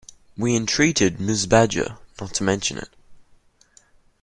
We entreated Mrs. Badger not to mention it.